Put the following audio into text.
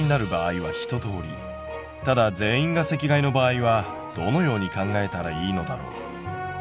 ただ全員が席替えの場合はどのように考えたらいいのだろう。